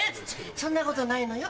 「そんなことないのよ